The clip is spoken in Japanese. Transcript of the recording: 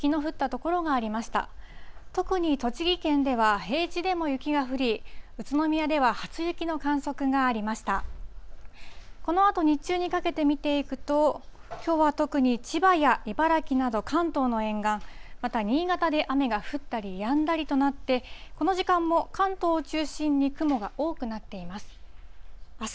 このあと日中にかけて見ていくと、きょうは特に千葉や茨城など、関東の沿岸、また新潟で雨が降ったりやんだりとなって、この時間も関東を中心に雲が多くなっています。